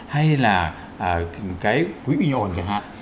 hay là cái quỹ bình ồn chẳng hạn